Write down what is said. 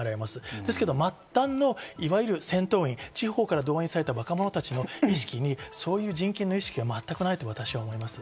ですけど末端のいわゆる戦闘員、地方から動員された若者たちの意識にそんな人権の意識は全くないと私は思います。